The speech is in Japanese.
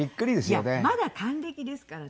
いやまだ還暦ですからね。